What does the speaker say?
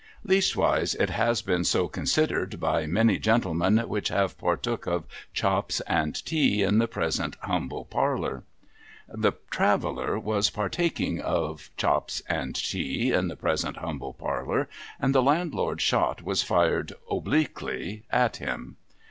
' Leastwise it has been so considered by many gentlemen which have partook of chops and tea in the present humble parlour.' The Traveller was partaking of chops and tea in the present humble parlour, and the Landlord's shot was fired obliquely at him.